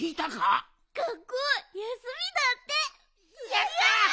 やった！